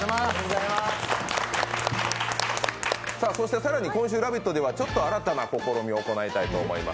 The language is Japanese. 更に今週「ラヴィット！」では新たな試みを行いたいと思います。